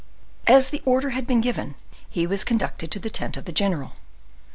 As the order had been given, he was conducted to the tent of the general.